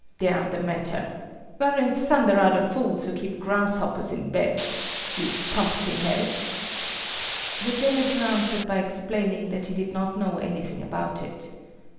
"Damn the matter! Where in thunder are the fools who keep grasshoppers in bed! You pumpkinhead!" The janitor answered by explaining that he did not know anything about it.